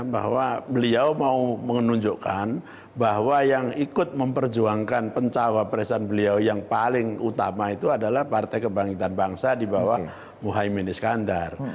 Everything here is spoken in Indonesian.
bahwa beliau mau menunjukkan bahwa yang ikut memperjuangkan pencawa presiden beliau yang paling utama itu adalah partai kebangkitan bangsa di bawah muhaymin iskandar